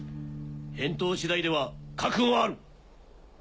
返答次第では覚悟がある！